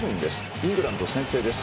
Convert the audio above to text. イングランド先制です。